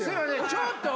ちょっと。